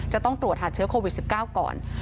จะต้องตรวจหาเชื้อโควิด๑๙ก่อน